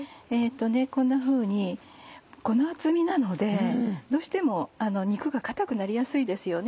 こんなふうにこの厚みなのでどうしても肉が硬くなりやすいですよね。